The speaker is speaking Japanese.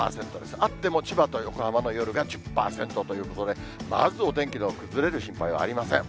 あっても千葉と横浜の夜が１０％ということで、まず、お天気の崩れる心配はありません。